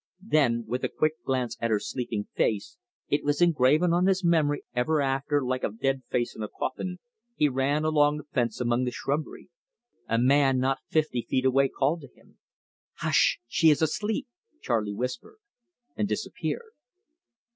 Then, with a quick glance at her sleeping face it was engraven on his memory ever after like a dead face in a coffin he ran along the fence among the shrubbery. A man not fifty feet away called to him. "Hush she is asleep!" Charley whispered, and disappeared.